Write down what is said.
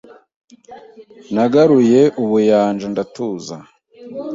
nagaruye ubuyanja ndatuza,